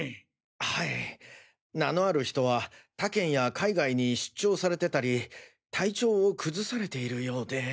はい名のある人は他県や海外に出張されてたり体調を崩されているようで。